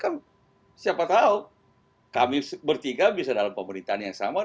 kami bertiga bisa dalam pemerintahan yang sama